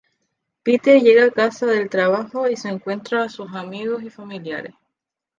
Peter llega a casa del trabajo y se encuentra a sus amigos y familiares.